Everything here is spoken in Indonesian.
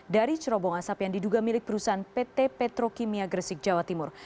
dari cerobong asap yang diduga milik perusahaan pt petrokimia gresik jawa timur